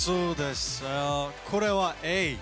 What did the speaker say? これは「Ａ」。